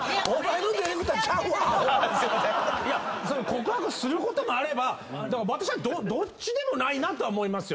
告白することもあれば私はどっちでもないなとは思いますよ。